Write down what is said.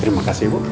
terima kasih bu